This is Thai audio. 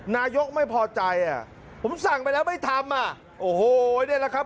นายกไม่พอใจอ่ะผมสั่งไปแล้วไม่ทำอ่ะโอ้โหนี่แหละครับ